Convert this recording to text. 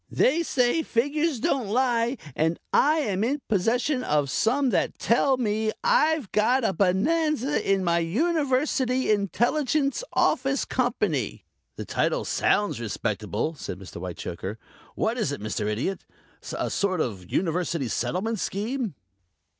They say figures don't lie, and I am in possession of some that tell me I've got a bonanza in my University Intelligence Office Company." "The title sounds respectable," said Mr. Whitechoker. "What is it, Mr. Idiot a sort of University Settlement Scheme?"